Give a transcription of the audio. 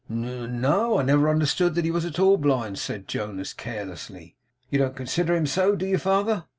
'N no. I never understood that he was at all blind,' said Jonas, carelessly. 'You don't consider him so, do you, father?